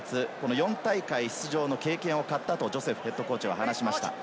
４大会出場の経験を買ったとジョセフＨＣを話しました。